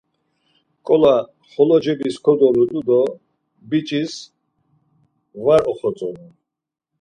Ǩola xolo cebis kodoludu do biç̌is var oxatzonu.